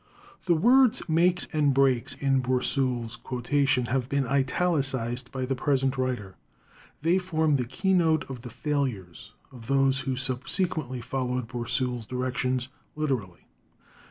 The words "makes and breaks" in Bourseul's quotation have been italicized by the present writer. They form the keynote of the failures of those who subsequently followed Bourseul's directions literally.